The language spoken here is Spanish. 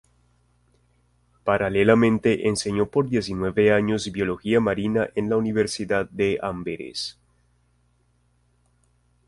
Paralelamente enseñó por diecinueve años Biología marina en la Universidad de Amberes.